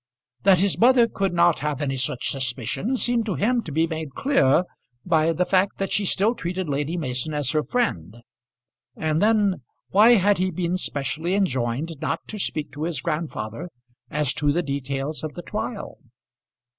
That his mother could not have any such suspicion seemed to him to be made clear by the fact that she still treated Lady Mason as her friend. And then why had he been specially enjoined not to speak to his grandfather as to the details of the trial?